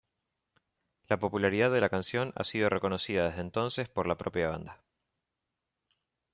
La popularidad de la canción ha sido reconocida desde entonces por la propia banda.